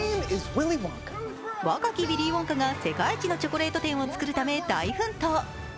若きウィリー・ウォンカが世界一のチョコレート店を作るため大奮闘。